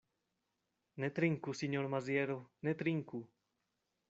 Ne trinku, sinjoro Maziero, ne trinku!